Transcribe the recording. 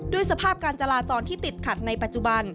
สภาพการจราจรที่ติดขัดในปัจจุบัน